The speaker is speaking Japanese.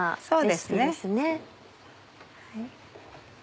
そうですね。